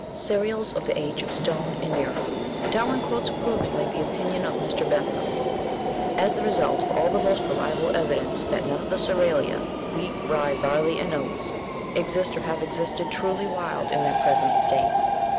CEREALS OF THE AGE OF STONE IN EUROPE Darwin quotes approvingly the opinion of Mr. Bentham ("Hist. Notes Cult. Plants"), "as the result of all the most reliable evidence that none of the Ceralia wheat, rye, barley, and oats exist or have existed truly wild in their present state."